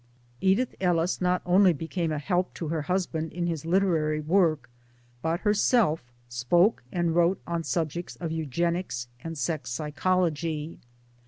Edith Ellis not only became a help to her husband in his literary work, but herself spoke and wrote on subjects of Eugenics and Sex psychology.